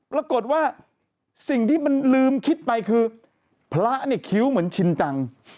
ปรากฏว่าสิ่งที่มันลืมคิดไปคือพระเนี่ยคิ้วเหมือนชินจัง